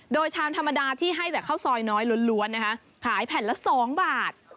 โดยชามธรรมดาที่ให้แต่ข้าวซอยน้อยล้วนนะคะขายแผ่นละ๒บาท